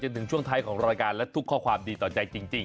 ถึงช่วงท้ายของรายการและทุกข้อความดีต่อใจจริง